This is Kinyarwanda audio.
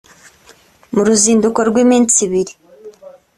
mu ruzinduko rw’iminsi ibiri